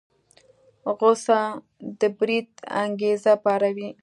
غوسه د بريد انګېزه پاروي.